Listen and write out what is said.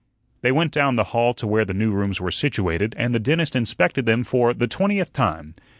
They went down the hall to where the new rooms were situated, and the dentist inspected them for the twentieth time.